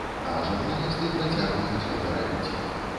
А журналісты працягваюць гэта рабіць.